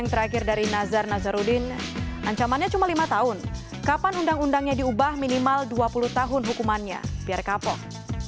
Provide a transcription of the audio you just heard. terima kasih banyak terima kasih